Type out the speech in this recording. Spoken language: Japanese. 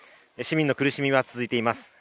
市民の苦しみは続いています。